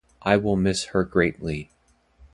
I will miss her greatly.